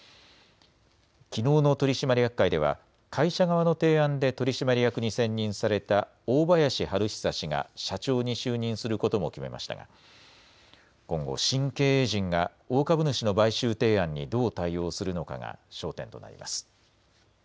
きのうの取締役会では会社側の提案で取締役に選任された大林東壽氏が社長に就任することも決めましたが今後、新経営陣が大株主の買収提案にどう対応するのかが焦点となります。